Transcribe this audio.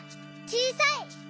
「ちいさい」！